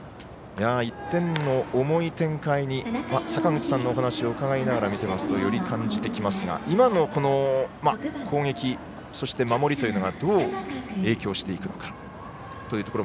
１点の重い展開に坂口さんのお話を伺いながら見ていますとより感じてきますが今の攻撃、そして守りというのがどう影響していくのか。